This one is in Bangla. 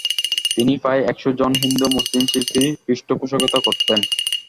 তিনি প্রায় একশাে জন হিন্দু - মুসলিম শিল্পীর পৃষ্ঠপােষকতা করতেন ।